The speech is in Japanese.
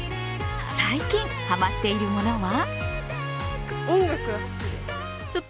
最近ハマっているものは？